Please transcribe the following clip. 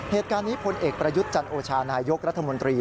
เหตุการณ์นี้พลเอกประยุทธ์จันโอชานายกรัฐมนตรี